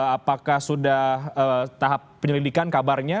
apakah sudah tahap penyelidikan kabarnya